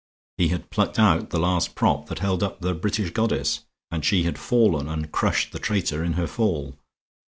He had plucked out the last prop that held up the British goddess, and she had fallen and crushed the traitor in her fall.